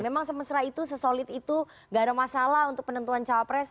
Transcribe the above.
memang semesra itu sesolid itu gak ada masalah untuk penentuan cawapres